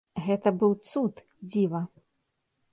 Гэта быў цуд, дзіва.